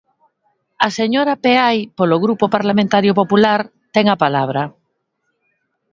A señora Peai, polo Grupo Parlamentario Popular, ten a palabra.